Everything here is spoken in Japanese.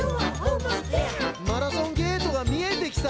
「マラソンゲートが見えてきた」